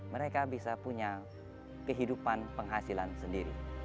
mereka bisa punya kehidupan penghasilan sendiri